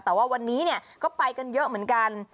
แต่ว่าวันนี้ก็ไปกันเยอะเหมือนกัน